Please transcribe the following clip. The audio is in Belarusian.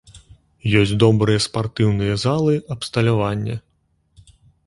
Ёсць добрыя спартыўныя залы, абсталяванне.